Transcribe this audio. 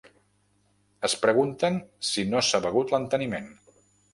Es pregunten si no s'ha begut l'enteniment.